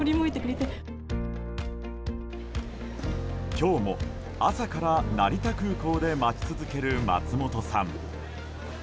今日も朝から成田空港で待ち続ける松本さん。